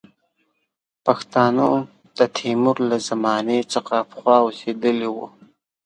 پښتانه د تیمور له زمانې څخه پخوا اوسېدلي وي.